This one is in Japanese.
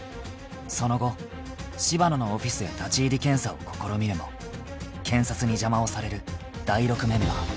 ［その後柴野のオフィスへ立入検査を試みるも検察に邪魔をされるダイロクメンバー］